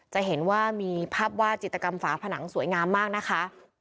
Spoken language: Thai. จะเห็นว่ามีภาพวาดจิตกรรมฝาผนังสวยงามมากนะคะ